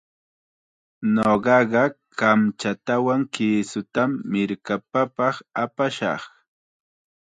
Ñuqaqa kamchatawan kisutam mirkapapaq apashaq.